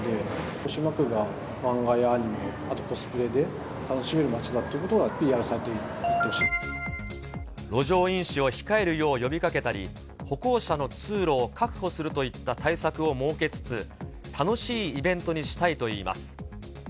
豊島区が漫画やアニメ、あとコスプレで楽しめる街だっていうことがＰＲされていってほし路上飲酒を控えるよう呼びかけたり、歩行者の通路を確保するといった対策を設けつつ、楽しいイベントにしたいといいます。